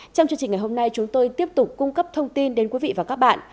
trong chương trình ngày hôm nay chúng tôi tiếp tục cung cấp thông tin đến quý vị và các bạn